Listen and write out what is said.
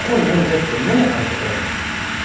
って胸張ることやねん。